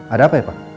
ada apa ya pak